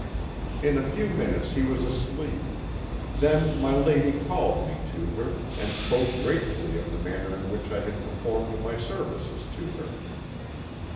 "In a few minutes he was asleep. Then my lady called me to her, and spoke gratefully of the manner in which I had performed my services to her.